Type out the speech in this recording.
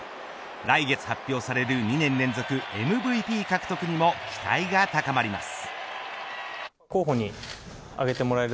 来月発表される２年連続ＭＶＰ獲得にも期待が高まります。